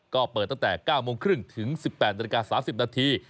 ก็เปิดตั้งแต่๙โมงครึ่งถึง๑๘นาฬิกา๓๐นาที